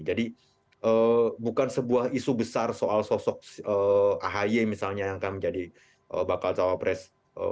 jadi bukan sebuah isu besar soal sosok ahy misalnya yang akan menjadi bakal cawapres